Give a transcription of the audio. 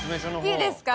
いいですか？